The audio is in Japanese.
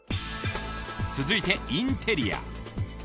続いてインテリア。